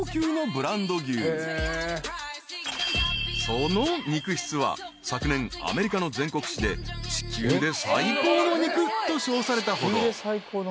［その肉質は昨年アメリカの全国紙で地球で最高の肉と称されたほど］